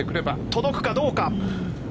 届くかどうか。